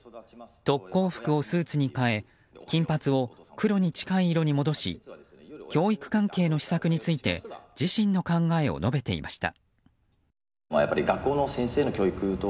特攻服をスーツに変え金髪を黒に近い色に戻し教育関係の施策について自身の考えを述べていました。